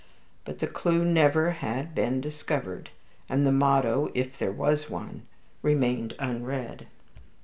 But the clew never had been discovered, and the motto, if there was one, remained unread.